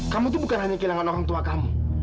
kamu itu bukan hanya kehilangan orang tua kamu